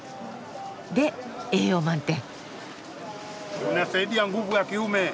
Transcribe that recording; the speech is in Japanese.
で栄養満点。